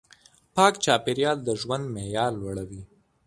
پاک چاپېریال د ژوند معیار لوړوي.